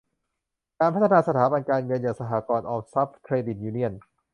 การพัฒนาสถาบันการเงินอย่างสหกรณ์ออมทรัพย์ เครดิตยูเนียน